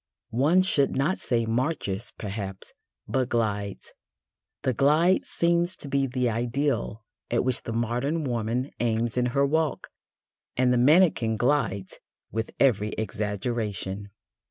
One should not say "marches" perhaps, but glides. The glide seems to be the ideal at which the modern woman aims in her walk, and the mannequin glides with every exaggeration.